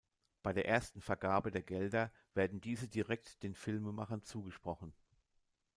Bei der ersten Vergabe der Gelder werden diese direkt den Filmemachern zugesprochen.